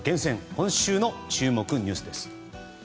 今週の注目ニュースです。